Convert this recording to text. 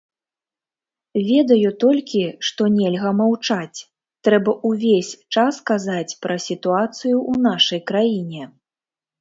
Ведаю толькі, што нельга маўчаць, трэба ўвесь час казаць пра сітуацыю ў нашай краіне.